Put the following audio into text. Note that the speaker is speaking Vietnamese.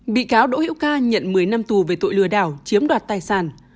bị cáo đỗ hữu ca nhận một mươi năm tù về tội lừa đảo chiếm đoạt tài sản